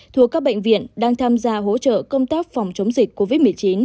thuộc các bệnh viện đang tham gia hỗ trợ công tác phòng chống dịch covid một mươi chín